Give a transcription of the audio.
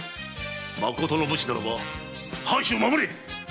まことの武士ならば藩主を守れ！